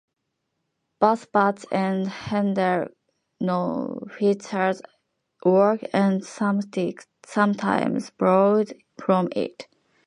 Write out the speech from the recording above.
Both Bach and Handel knew Fischer's work and sometimes borrowed from it.